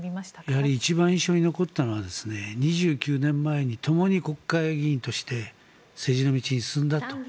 やはり一番印象に残ったのは２９年前にともに国会議員として政治の道に進んだと。